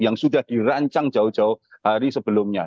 yang sudah dirancang jauh jauh hari sebelumnya